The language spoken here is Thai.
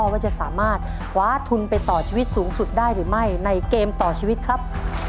ว่าจะสามารถคว้าทุนไปต่อชีวิตสูงสุดได้หรือไม่ในเกมต่อชีวิตครับ